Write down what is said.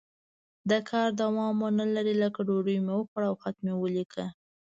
د کار دوام ونه لري لکه ډوډۍ مې وخوړه او خط مې ولیکه.